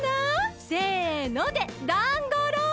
「せの」で「ダンゴロウ！」